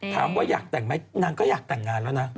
ถามว่าอยากแต่งไหมนางก็อยากแต่งงานแล้วนะ